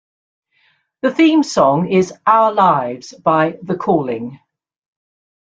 The theme song is "Our Lives" by The Calling.